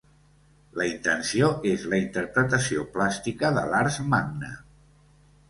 La intenció és la interpretació plàstica de l'Ars Magna.